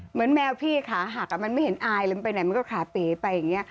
เหมือนแมวพี่ขาหักอ่ะมันไม่เห็นอายไปไหนมันก็ขาเป๋ไปอย่างนี้